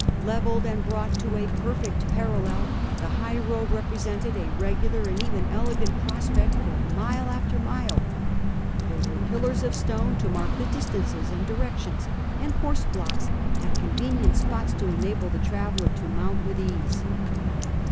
Levelled and brought to a perfect parallel, the highroad presented a regular and even elegant prospect for mile after mile. There were pillars of stone to mark the distances and directions, and horse blocks at con venient spots to enable the traveller to mount with ease.